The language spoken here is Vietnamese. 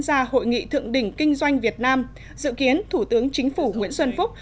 vị thượng đỉnh kinh doanh việt nam dự kiến thủ tướng chính phủ nguyễn xuân phúc